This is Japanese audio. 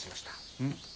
うん。